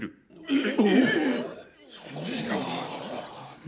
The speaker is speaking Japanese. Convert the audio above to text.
えっ！？